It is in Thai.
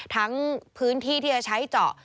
ทั้งพื้นที่ที่จะใช้เจาะ